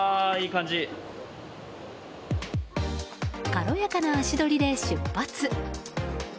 軽やかな足取りで出発。